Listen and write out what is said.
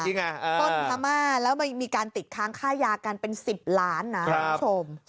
ต้นพม่าแล้วมันมีการติดค้างค่ายากันเป็น๑๐ล้านนะคุณผู้ชม